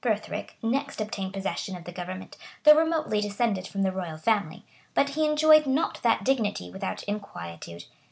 ] Brthric next obtained possession of the government, though remotely descended from the royal family; but he enjoyed not that dignity without inquietude.